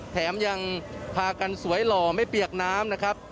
แถมยังพากันสวยหล่อไม่เปียกน้ำนะครับ